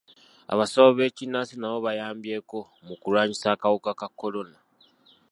Abasawo b'ekinnansi nabo bayambyeko mu kulwanyisa akawuka ka kolona.